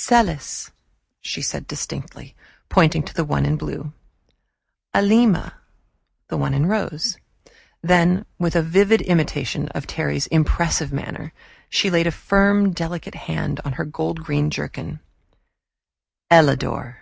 "Celis," she said distinctly, pointing to the one in blue; "Alima" the one in rose; then, with a vivid imitation of Terry's impressive manner, she laid a firm delicate hand on her gold green jerkin "Ellador."